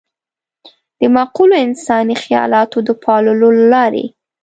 د معقولو انساني خيالاتو د پاللو له لارې.